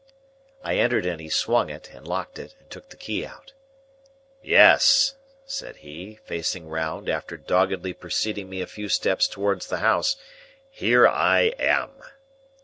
I entered and he swung it, and locked it, and took the key out. "Yes!" said he, facing round, after doggedly preceding me a few steps towards the house. "Here I am!"